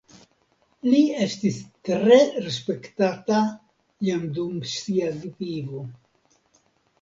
Li estis tre respektata jam dum sia vivo.